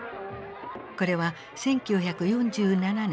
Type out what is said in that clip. これは１９４７年